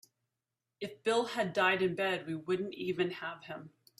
If Bill had died in bed we wouldn't even have him.